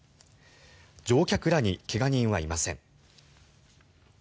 乗客らに怪我人はいません。